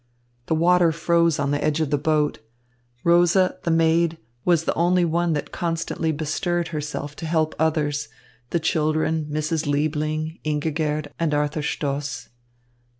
The water froze on the edge of the boat. Rosa, the maid, was the only one that constantly bestirred herself to help others, the children, Mrs. Liebling, Ingigerd, and Arthur Stoss.